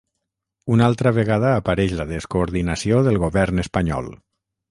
Una altra vegada apareix la descoordinació del govern espanyol.